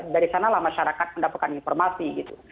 dari sanalah masyarakat mendapatkan informasi gitu